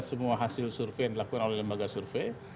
semua hasil survei yang dilakukan oleh lembaga survei